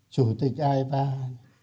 chủ tịch aipan